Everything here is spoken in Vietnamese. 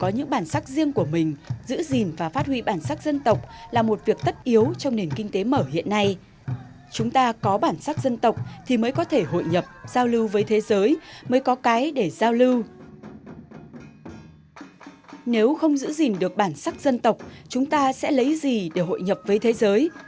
nếu không giữ gìn được bản sắc dân tộc chúng ta sẽ lấy gì để hội nhập với thế giới